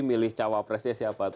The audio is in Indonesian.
milih cawapresnya siapa